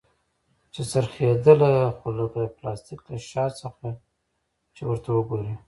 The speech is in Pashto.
چې څرخېدله خو لکه د پلاستيک له شا څخه چې ورته وگورې.